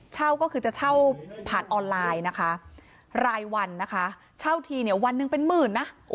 เช่าก็คือจะเช่าผ่านออนไลน์นะคะรายวันนะคะเช่าทีเนี่ยวันหนึ่งเป็นหมื่นนะ